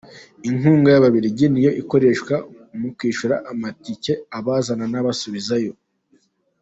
Inkunga y’Ababiligi niyo ikoreshwa mu kwishyura amatike abazana n’abasubizayo.